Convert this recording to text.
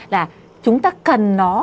là chúng ta cần nó